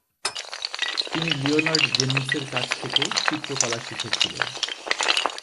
তিনি লিওনার্ড জেনিংসের কাছ থেকেও চিত্রকলা শিখেছিলেন।